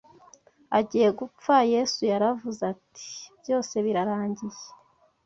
Agiye gupfa Yesu yaravuze, ati: « Byose birarangiye »